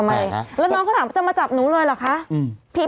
แปลงแปลงนะแล้วน้องเขาถามว่าจะมาจับหนูเลยหรอคะอืม